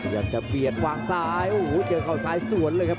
อยากจะเบียดวางซ้ายโอ้โหเจอเข้าซ้ายสวนเลยครับ